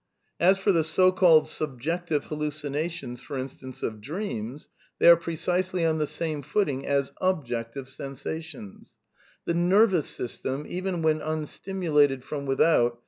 As for the so called subjective hallucinations, for in stance, of dreams, they are precisely on the same footing as " objective " sensations. I " The nervous system, even when unstimulated from without